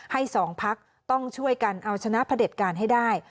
สองพักต้องช่วยกันเอาชนะพระเด็จการให้ได้